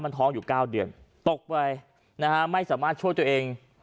มันท้องอยู่๙เดือนตกไปนะฮะไม่สามารถช่วยตัวเอง